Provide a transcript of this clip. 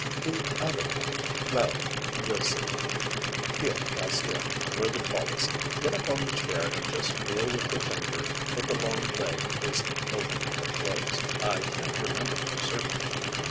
the other...well, we'll see. Here, Bastien, you're the tallest, get up on the chair and just feel with your finger if the long leg is open or closed. I can't remember for certain.'